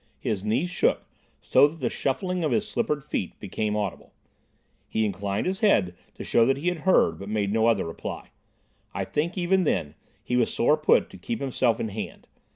His knees shook, so that the shuffling of his slippered feet became audible. He inclined his head to show that he had heard, but made no other reply. I think, even then, he was sore put to it to keep himself in hand.